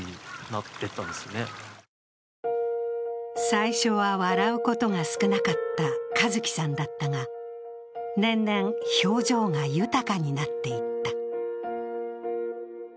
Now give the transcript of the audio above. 最初は笑うことが少なかった和毅さんだったが年々、表情が豊かになっていった。